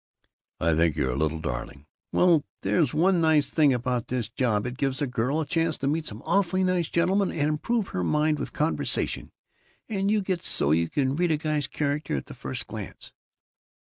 "I think you're a little darling!" "Well There's one nice thing about this job. It gives a girl a chance to meet some awfully nice gentlemen and improve her mind with conversation, and you get so you can read a guy's character at the first glance."